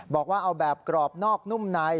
บอกว่าเอาแบบกรอบนอกนุ่มใน